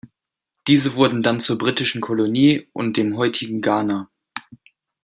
Diese wurden dann zur britischen Kolonie und dem heutigen Ghana.